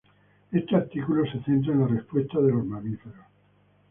Este artículo se centra en la respuesta de los mamíferos.